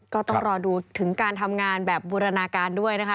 ก็ต้องรอดูถึงการทำงานแบบบูรณาการด้วยนะคะ